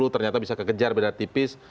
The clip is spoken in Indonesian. ternyata bisa kekejar beda tipis